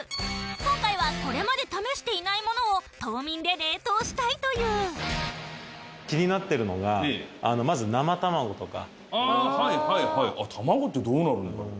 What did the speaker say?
今回はこれまで試していないものを凍眠で冷凍したいという気になってるのがまずああはいはいはい卵ってどうなるんだろう